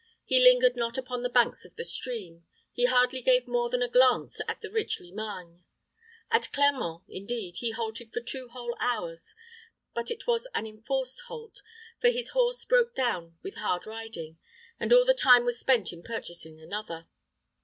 He lingered not upon the banks of the stream; he hardly gave more than a glance at the rich Limagne. At Clermont, indeed, he halted for two whole hours, but it was an enforced halt, for his horse broke down with hard riding, and all the time was spent in purchasing another.